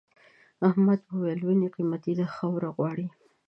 احمد وويل: ونې قيمتي دي خاوره غواړي.